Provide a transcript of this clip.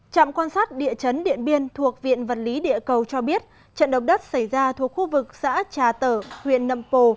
trạm quan sát địa chấn điện biên thuộc viện vật lý địa cầu cho biết trận động đất xảy ra thuộc khu vực xã trà tở huyện nậm pồ